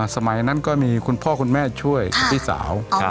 สมัยนั้นก็มีคุณพ่อคุณแม่ช่วยพี่สาว